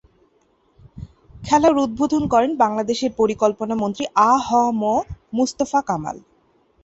খেলার উদ্বোধন করেন বাংলাদেশের পরিকল্পনা মন্ত্রী আ হ ম মুস্তফা কামাল।